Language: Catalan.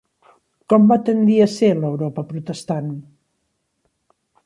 Com va tendir a ser l'Europa protestant?